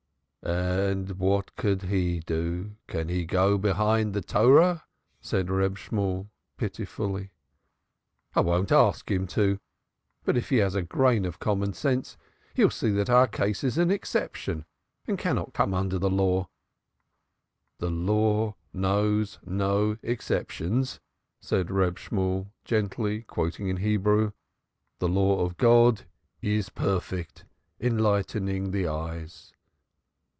"And what can he do? Can he go behind the Torah?" said Reb Shemuel pitifully. "I won't ask him to. But if he has a grain of common sense he will see that our case is an exception, and cannot come under the Law." "The Law knows no exceptions," said Reb Shemuel gently, quoting in Hebrew, "'The Law of God is perfect, enlightening the eyes.'